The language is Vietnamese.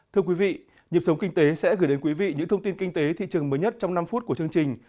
thưa quý vị nhịp sống kinh tế sẽ gửi đến quý vị những thông tin kinh tế thị trường mới nhất trong năm phút của chương trình